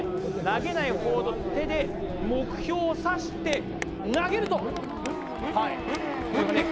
投げないほうの手で目標を指して投げるとはいこれがね